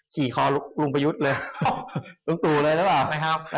ขี่คอลุงประยุทธ์เลยลุงตูเลยแล้วหรอ